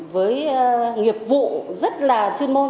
với nghiệp vụ rất là chuyên môn